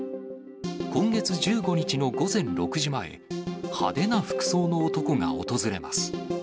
今月１５日の午前６時前、派手な服装の男が訪れます。